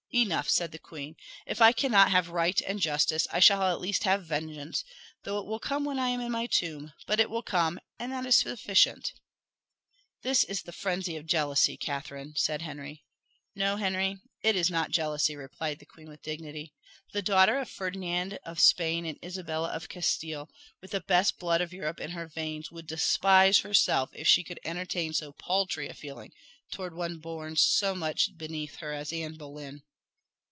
"Enough," said the queen: "if I cannot have right and justice I shall at least have vengeance, though it will come when I am in my tomb. But it will come, and that is sufficient." "This is the frenzy of jealousy, Catherine," said Henry. "No, Henry; it is not jealousy," replied the queen, with dignity. "The daughter of Ferdinand of Spain and Isabella of Castile, with the best blood of Europe in her veins, would despise herself if she could entertain so paltry a feeling towards one born so much beneath her as Anne Boleyn."